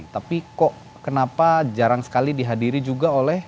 tapi kok kenapa jarang sekali dihadiri juga oleh